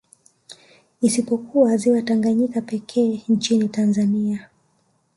Isipokuwa ziwa Tanganyika pekee nchini Tanzania